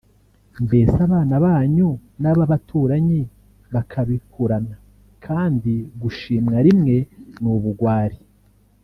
mbese abana banyu n’ab’abaturanyi bakabikurana kandi gushimwa rimwe ni ubugwari